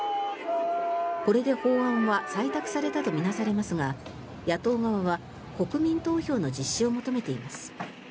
これで法案は採択されたと見なされますが野党側は国民投票の実施を求めています。